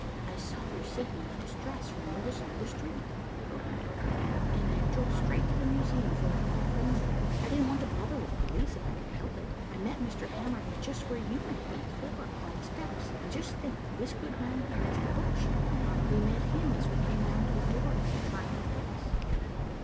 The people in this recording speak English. "I saw your signal of distress from the other side of the street," broke in Dorothy, "and I drove straight to the Museum for one of our friends there. I didn't want to bother with police if I could help it. I met Mr. Hamerly just where you met him before, on the steps. And just think, this good man here is the book shop man. We met him as we came down to the door after trying the place."